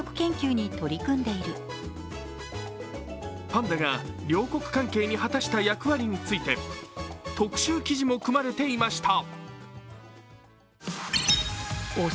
パンダが両国関係に果たした役割について特集記事も組まれていました。